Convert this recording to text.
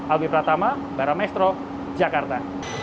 albi pratama barameestro jakarta